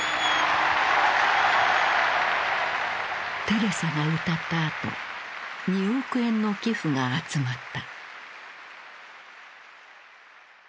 テレサが歌ったあと２億円の寄付が集まった。